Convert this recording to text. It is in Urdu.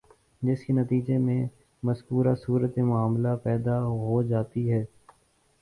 جس کے نتیجے میں مذکورہ صورتِ معاملہ پیدا ہو جاتی ہے